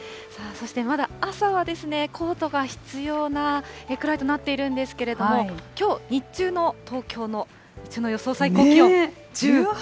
そしてまだ朝はコートが必要なくらいとなっているんですけども、きょう日中の東京の日中の予想最高気温。